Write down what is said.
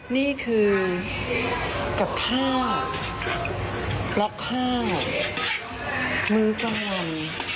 นี่คือกับข้าวเพราะข้าวมื้อกลางวัน